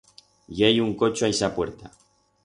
I hei un cocho a ixa puerta.